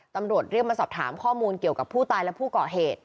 ตำรวจเรียกมาสอบถามข้อมูลเกี่ยวกับผู้ตายและผู้ก่อเหตุ